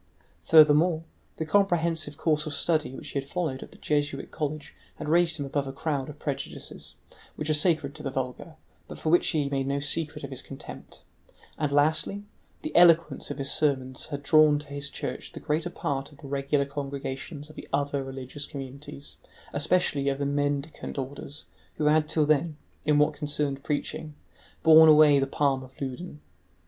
Furthermore, the comprehensive course of study which he had followed at the Jesuit college had raised him above a crowd of prejudices, which are sacred to the vulgar, but for which he made no secret of his contempt; and lastly, the eloquence of his sermons had drawn to his church the greater part of the regular congregations of the other religious communities, especially of the mendicant orders, who had till then, in what concerned preaching, borne away the palm at Loudun.